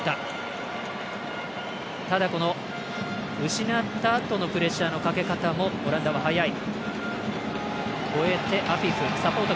失ったあとのプレッシャーのかけ方もオランダは早い。